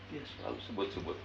dia selalu sebut sebut